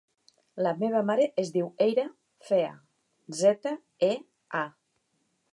La meva mare es diu Eyra Zea: zeta, e, a.